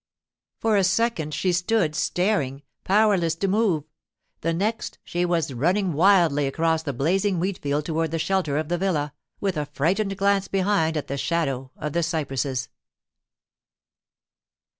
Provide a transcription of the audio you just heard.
For a second she stood staring, powerless to move; the next, she was running wildly across the blazing wheat field toward the shelter of the villa, with a frightened glance behind at the shadow of the cypresses.